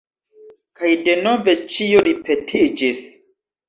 Kaj denove ĉio ripetiĝis.